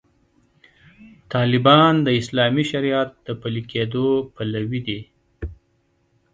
طالبان د اسلامي شریعت د پلي کېدو پلوي دي.